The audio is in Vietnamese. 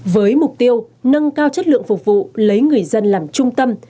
với mục tiêu nâng cao chất lượng phục vụ lấy người dân làm trung tâm